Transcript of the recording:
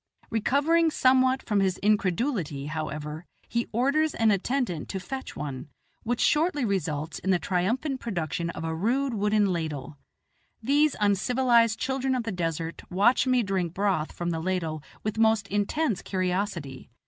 Recovering somewhat from his incredulity, however, he orders an attendant to fetch one, which shortly results in the triumphant production of a rude wooden ladle. These uncivilized children of the desert watch me drink broth from the ladle with most intense curiosity.